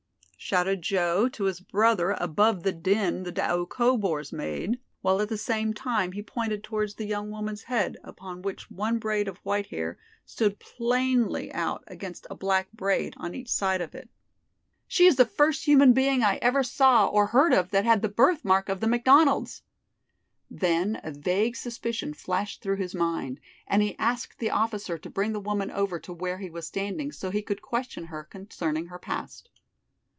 shouted Joe to his brother above the din the Doukhobors made, while at the same time he pointed towards the young woman's head, upon which one braid of white hair stood plainly out against a black braid on each side of it. "She is the first human being I ever saw or heard of that had the birth mark of the McDonald's." Then a vague suspicion flashed through his mind and he asked the officer to bring the woman over to where he was standing so he could question her concerning her past.